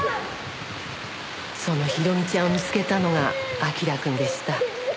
そのひろみちゃんを見つけたのが明君でした。